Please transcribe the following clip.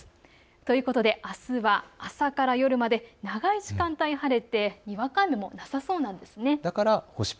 ということであすは朝から夜まで長い時間帯晴れて、にわか雨もなさそうなんです。